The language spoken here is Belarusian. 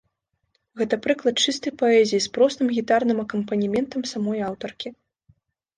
Гэта прыклад чыстай паэзіі з простым гітарным акампанементам самой аўтаркі.